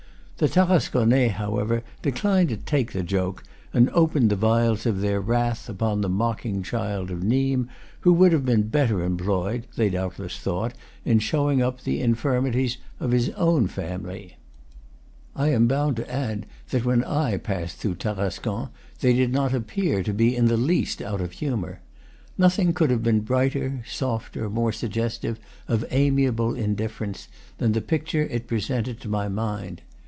The Tarasconnais, however, declined to take the joke, and opened the vials of their wrath upon the mocking child of Nimes, who would have been better employed, they doubtless thought, in show ing up the infirmities of his own family. I am bound to add that when I passed through Tarascon they did not appear to be in the least out of humor. Nothing could have been brighter, softer, more suggestive of amiable indifference, than the picture it presented to my mind.